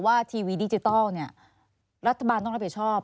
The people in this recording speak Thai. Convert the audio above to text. ทีวีดิจิทัลเนี่ยรัฐบาลต้องรับผิดชอบ